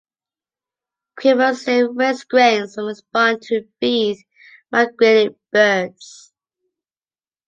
Creamer saved waste grains from his barn to feed migrating birds.